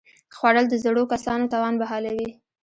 خوړل د زړو کسانو توان بحالوي